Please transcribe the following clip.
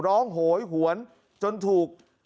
ร้องโหยหวนจนถูก